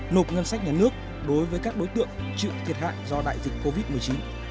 nộp ngân sách nhà nước đối với các đối tượng chịu thiệt hại do đại dịch covid một mươi chín